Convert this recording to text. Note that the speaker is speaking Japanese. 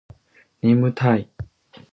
ねむたい